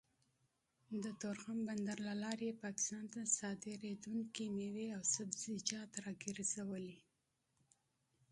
د تورخم بندر له لارې يې پاکستان ته صادرېدونکې مېوې او سبزيجات راګرځولي